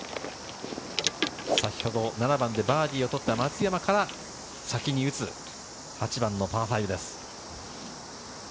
先ほど７番でバーディーを取った松山から先に打つ８番のパー５です。